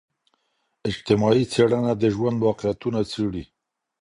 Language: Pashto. اجتماعي څېړنه د ژوند واقعتونه څیړي.